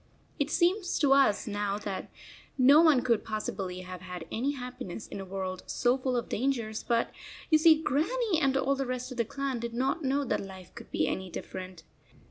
It seems to us now that no one could possibly have had any happiness in a world so full of dangers, but you see Grannie and all the rest of the clan did not know that life could be any different.